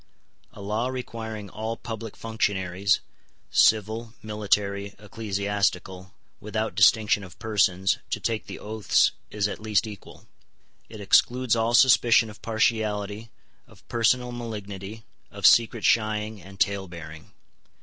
A law requiring all public functionaries, civil, military, ecclesiastical, without distinction of persons, to take the oaths is at least equal. It excludes all suspicion of partiality, of personal malignity, of secret shying and talebearing.